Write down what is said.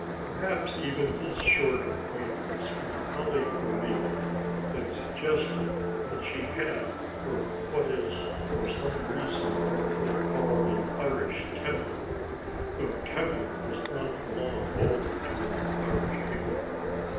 Perhaps even this short acquaintance with Polly O'Neill has suggested that she had, what is for some reason or other called an Irish temper, though temper does not belong wholly to Irish people.